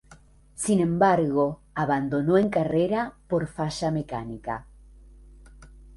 Sin embargo, abandonó en carrera por falla mecánica.